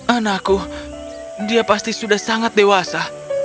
anakku dia pasti sudah sangat dewasa